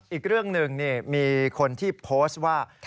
อีกเรื่องหนึ่งมีคนที่โพสต์ว่า